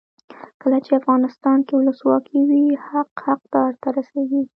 کله چې افغانستان کې ولسواکي وي حق حقدار ته رسیږي.